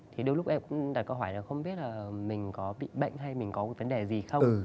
thì đôi lúc em cũng đặt câu hỏi là không biết là mình có bị bệnh hay mình có một vấn đề gì không